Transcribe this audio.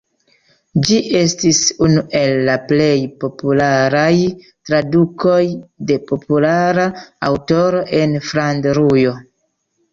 Ĝi estis unu el la plej popularaj tradukoj de populara aŭtoro en Flandrujo.